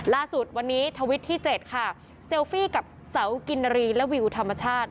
ล่าสุดวันนี้ทวิตที่๗ค่ะเซลฟี่กับเสากินรีและวิวธรรมชาติ